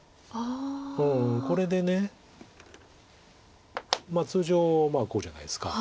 これで通常こうじゃないですか。